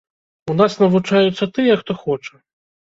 У нас навучаюцца тыя, хто хоча.